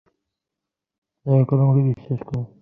দয়া করে আমাকে বিশ্বাস করুন।